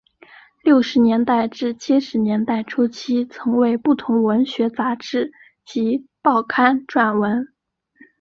六十年代至七十年代初期曾为不同文学杂志及报刊撰文。